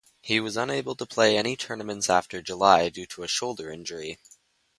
He was unable to play any tournaments after July due to a shoulder injury.